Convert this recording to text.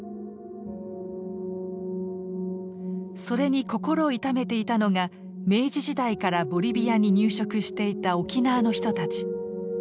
それに心を痛めていたのが明治時代からボリビアに入植していた沖縄の人たち。